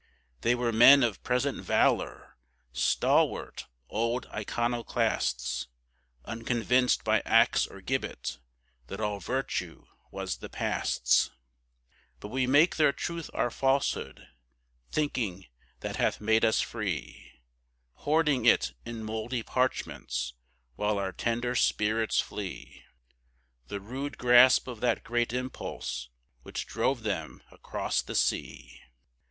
They were men of present valor, stalwart old iconoclasts, Unconvinced by axe or gibbet that all virtue was the Past's; But we make their truth our falsehood, thinking that hath made us free, Hoarding it in mouldy parchments, while our tender spirits flee The rude grasp of that great Impulse which drove them across the sea.